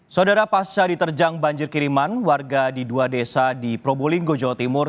saudara pasca diterjang banjir kiriman warga di dua desa di probolinggo jawa timur